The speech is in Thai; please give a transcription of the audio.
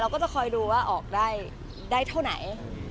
ก็จะคอยดูว่าออกได้เท่าไหน